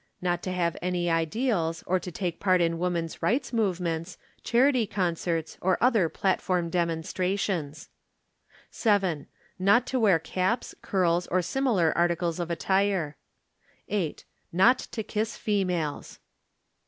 Not to have any ideals or to take part in Woman's Rights Movements, Charity Concerts, or other Platform Demonstrations. 7. Not to wear caps, curls, or similar articles of attire. 8. Not to kiss females.